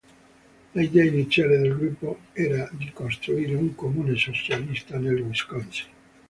L'idea iniziale del gruppo era di costituire una comune socialista nel Wisconsin.